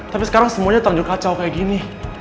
tapi sekarang semuanya terjun kacau kayak gini